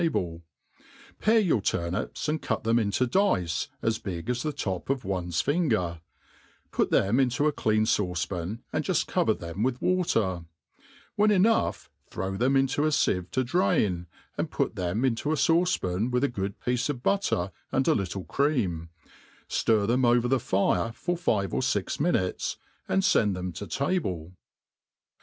But you may do them thus : pare your turnips, and cut them into dice, as big as the top of one^s finger ; put them into a clean fauce pan, and juft cover them with water* When enough,^^ throw them into a fieve to drain, and put them into a fauce pan with a good piece of butter and a little cream ; ftir then over Che fire for five or fix minutes, and fend them to table.